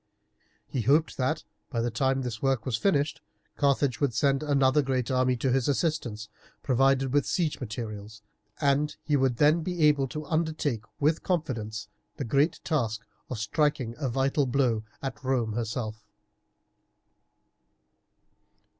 He hoped that, by the time this work was finished, Carthage would send another great army to his assistance provided with siege materials, and he would then be able to undertake with confidence the great task of striking a vital blow at Rome herself.